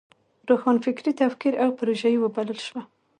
روښانفکري تکفیر او پروژيي وبلل شوه.